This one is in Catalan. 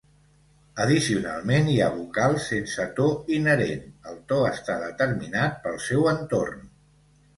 Addicionalment hi ha vocals sense to inherent, el to està determinat pel seu entorn.